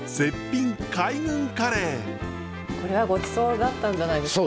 これはごちそうだったんじゃないですか。